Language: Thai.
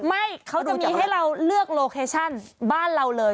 ไม่เขาจะมีให้เราเลือกโลเคชั่นบ้านเราเลย